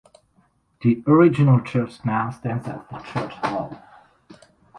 The original church now stands as the church hall.